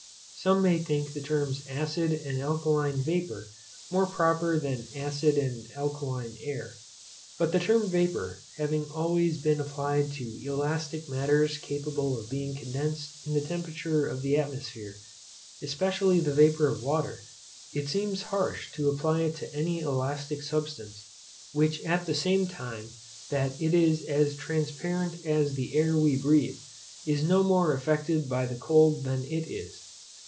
Some may think the terms acid and alkaline vapour more proper than acid and alkaline air. But the term vapour having always been applied to elastic matters capable of being condensed in the temperature of the atmosphere, especially the vapour of water, it seems harsh to apply it to any elastic substance, which at the same time that it is as transparent as the air we breathe, is no more affected by cold than it is.